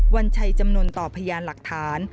วันชัยจำนวนต่อพยานหลักฐาน